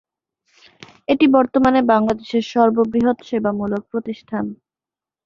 এটি বর্তমানে বাংলাদেশের সর্ববৃহৎ সেবামূলক প্রতিষ্ঠান।